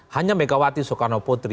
hanya megawati soekarno putri